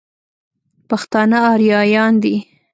پښتانه اريايان دي.